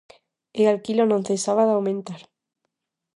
E aquilo non cesaba de aumentar.